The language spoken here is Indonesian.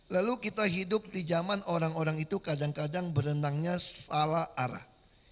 lalu kita hidup di zaman orang orang itu kadang kadang berenangnya salah arah